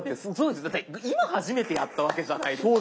だって今初めてやったわけじゃないですか。